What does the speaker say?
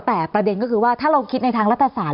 แต่ประเด็นก็คือว่าถ้าเราคิดในทางรัฐศาสต